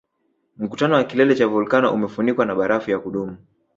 Mkutano wa kilele cha volkano umefunikwa na barafu ya kudumu